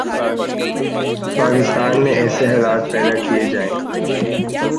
پاکستان میں ایسے حالات پیدا کئیے جائیں